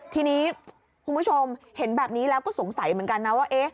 ทีนี้คุณผู้ชมเห็นแบบนี้แล้วก็สงสัยเหมือนกันนะว่า